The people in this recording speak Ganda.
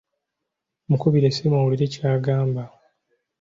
Mukubire essimu owulire ky’agamba.